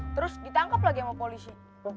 terus ditangkap lagi sama polisi